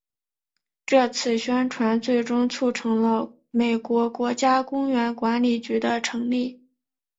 这次宣传最终促成了美国国家公园管理局的成立。